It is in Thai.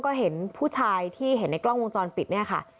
ก็เห็นผู้ชายที่เห็นในกล้องวงจรปิดเนี่ยค่ะ